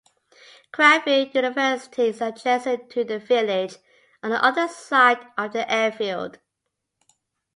Cranfield University is adjacent to the village, on the other side of the airfield.